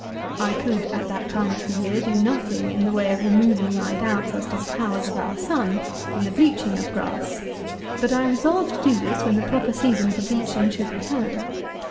I could, at that time of the year, do nothing in the way of removing my doubts as to the powers of our Sun in the bleaching of grass; but I resolved to do this when the proper season for bleaching should return.